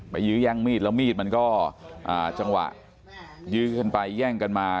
ยื้อแย่งมีดแล้วมีดมันก็จังหวะยื้อกันไปแย่งกันมา